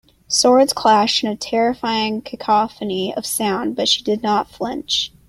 Swords clashed in a terrifying cacophony of sound but she did not flinch.